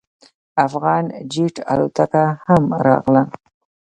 افغان جیټ الوتکه هم راغله.